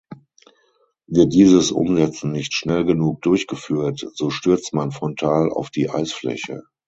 Wird dieses Umsetzen nicht schnell genug durchgeführt, so stürzt man frontal auf die Eisfläche.